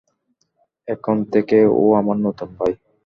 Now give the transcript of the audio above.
এখন থেকে, ও আমার নতুন ভাই।